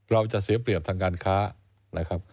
เราจะเสียเปรียบทางการค้านะครับ